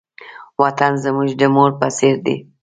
وطن زموږ د مور په څېر دی.